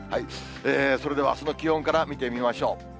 それではあすの気温から見てみましょう。